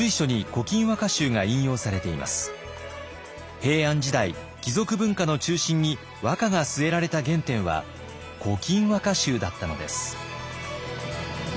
平安時代貴族文化の中心に和歌が据えられた原点は「古今和歌集」だったのです。